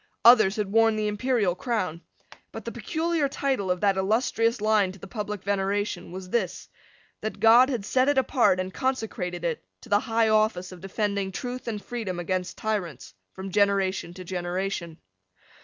Others had worn the imperial crown. But the peculiar title of that illustrious line to the public veneration was this, that God had set it apart and consecrated it to the high office of defending truth and freedom against tyrants from generation to generation.